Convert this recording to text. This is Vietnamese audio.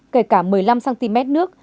kể cả một mươi năm cm nước